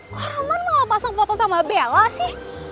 kok rahman malah pasang foto sama bella sih